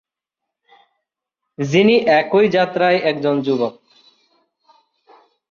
যিনি একই যাত্রায় একজন যুবক।